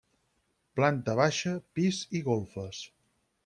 Planta baixa, pis i golfes.